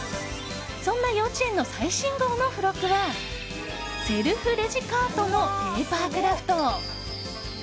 そんな「幼稚園」の最新号の付録はセルフレジカートのペーパークラフト。